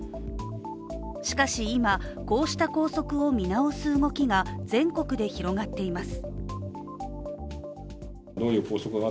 しかし今、こうした校則を見直す動きが全国で広がっています。